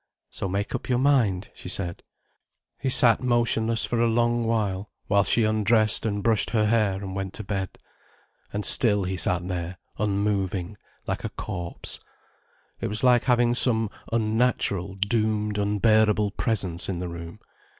"So make up your mind," she said. He sat motionless for a long while: while she undressed and brushed her hair and went to bed. And still he sat there unmoving, like a corpse. It was like having some unnatural, doomed, unbearable presence in the room.